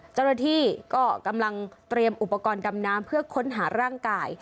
เจ้าหน้าที่ก็กำลังเตรียมอุปกรณ์ดำน้ำเพื่อค้นหาร่างกาย